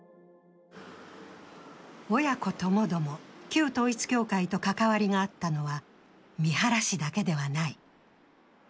親子ともども旧統一教会と関わりがあったのは三原氏だけではない。